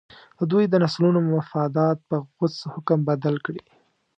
د دوی د نسلونو مفادات په غوڅ حکم بدل کړي.